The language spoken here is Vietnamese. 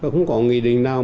không có nghi định nào